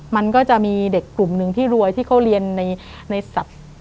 มันก็จะมีเด็กกลุ่มหนึ่งที่รวยที่เขาเรียนในศัพท์